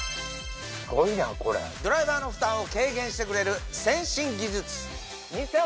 ドライバーの負担を軽減してくれる先進技術